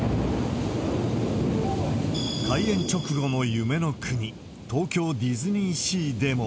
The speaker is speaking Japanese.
開園直後の夢の国、東京ディズニーシーでも。